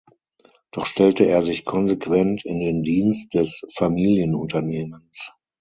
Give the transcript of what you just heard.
Doch stellte er sich konsequent in den Dienst des Familienunternehmens.